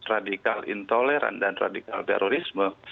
radikal intoleran dan radikal terorisme